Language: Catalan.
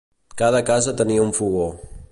Cada casa tenia un fogó.